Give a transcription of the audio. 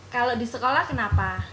kalau di sekolah kenapa